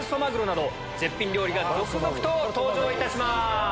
絶品料理が続々と登場いたします。